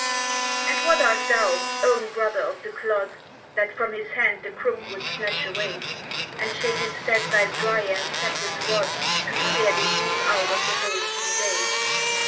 And what art thou, own brother of the clod, That from his hand the crook wouldst snatch away And shake instead thy dry and sapless rod, To scare the sheep out of the wholesome day?